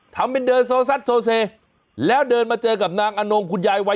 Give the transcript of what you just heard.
ทำเป็นเดินโซซัดโซเซแล้วเดินมาเจอกับนางอนงคุณยายวัย